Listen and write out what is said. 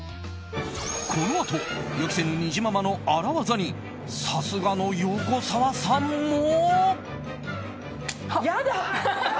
このあと、予期せぬにじままの荒業にさすがの横澤さんも。